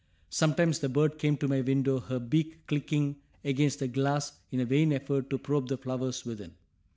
Sometimes the bird came to my window, her beak clicking against the glass in a vain effort to probe the flowers within.